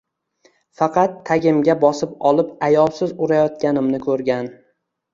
Faqat tagimga bosib olib ayovsiz urayotganimni koʻrgan